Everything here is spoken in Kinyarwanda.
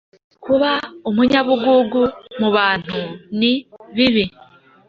Kuba umunyabugugu mubantu ni bibi